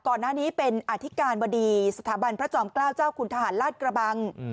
ก่อนหน้านี้เป็นอธิการบดีสถาบันพระจอมเกล้าเจ้าคุณทหารลาดกระบัง